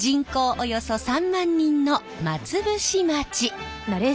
およそ３万人の松伏町。